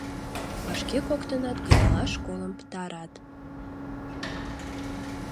Вашке коктынат кыдалаш школым пытарат.